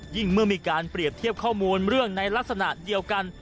เมื่อมีการเปรียบเทียบข้อมูลเรื่องในลักษณะเดียวกัน